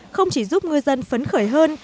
không chỉ giúp người dân phấn khởi hơn